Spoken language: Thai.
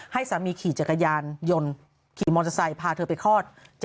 ให้สามีขี่จักรยานยนต์ขี่มอเตอร์ไซค์พาเธอไปคลอด